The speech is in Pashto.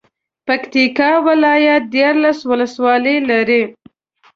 پکتيا ولايت ديارلس ولسوالۍ لري.